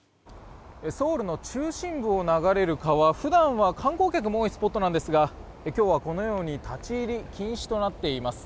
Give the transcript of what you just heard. ソウルの中心部を流れる川普段は観光客も多いスポットなんですが今日はこのように立ち入り禁止となっています。